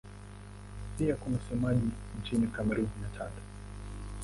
Pia kuna wasemaji nchini Kamerun na Chad.